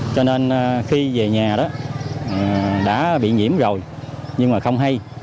cho nên khi về nhà đó đã bị nhiễm rồi nhưng mà không hay